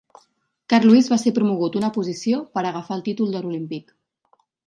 Carl Lewis va ser promogut una posició per agafar el títol d"or olímpic.